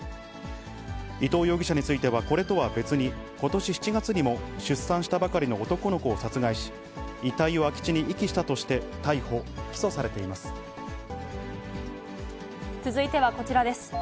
伊藤容疑者についてはこれとは別に、ことし７月にも出産したばかりの男の子を殺害し、遺体を空き地に遺棄したとして、逮捕・起訴続いてはこちらです。